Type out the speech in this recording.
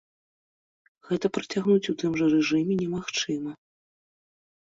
Гэта працягнуць у тым жа рэжыме немагчыма.